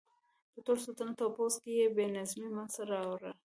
په ټول سلطنت او پوځ کې یې بې نظمي منځته راوړه.